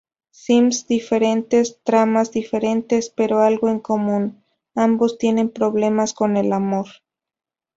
Sims diferentes, tramas diferentes, pero algo en común: Ambos tienen problemas con el amor.